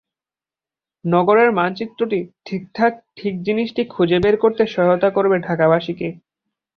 নগরের মানচিত্রটি ঠিকভাবে ঠিক জিনিসটি খুঁজে বের করতে সহায়তা করবে ঢাকাবাসীকে।